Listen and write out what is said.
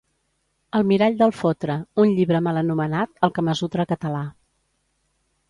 El mirall del fotre, un llibre malanomenat 'El Kamasutra català'